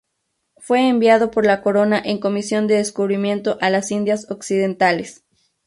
Fue enviado por la Corona en comisión de descubrimiento a las Indias Occidentales.